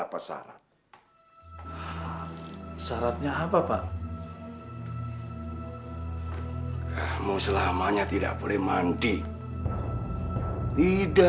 saya butuh uang itu untuk makan anak saya